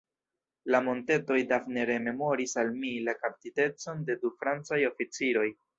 La montetoj Dafne rememoris al mi la kaptitecon de du Francaj oficiroj.